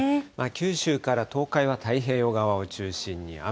九州から東海は太平洋側を中心に雨。